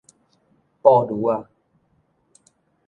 布攄仔